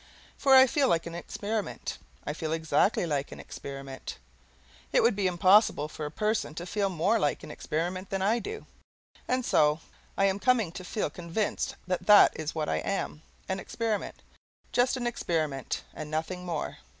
For I feel like an experiment, I feel exactly like an experiment; it would be impossible for a person to feel more like an experiment than I do, and so I am coming to feel convinced that that is what I AM an experiment; just an experiment, and nothing more.